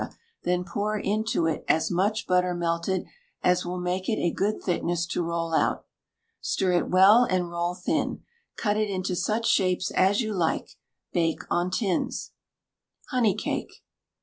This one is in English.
then pour into it as much butter melted as will make it a good thickness to roll out. Stir it well, and roll thin; cut it into such shapes as you like. Bake on tins. HONEY CAKE.